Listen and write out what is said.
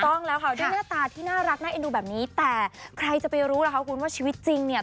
ออกได้แล้วภาพภายในน่าตาที่น่ารักนางเอ็นดูแบบนี้แล่ะใช่แล้วแต่ใครจะไปรู้นะคะว่าชีวิตจริงเนี่ย